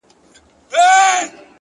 هره لاسته راوړنه وخت غواړي،